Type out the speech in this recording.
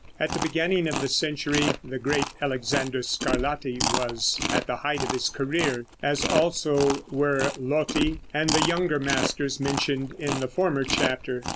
At the beginning of the century, the great Alexander Scarlatti was at the height of his career, as also were Lotti and the younger masters mentioned in the former chapter.